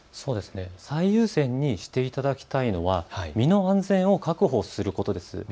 最優先にしていただきたいのが身の安全を確保することです。